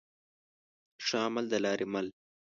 ښه عمل دلاري مل